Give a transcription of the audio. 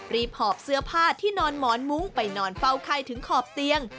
หอบเสื้อผ้าที่นอนหมอนมุ้งไปนอนเฝ้าไข้ถึงขอบเตียง